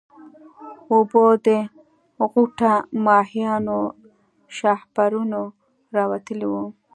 اوبه د غوټه ماهيانو شاهپرونه راوتلي وو.